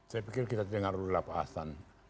saya pikir kita sudah dengar dulu lah pak hasan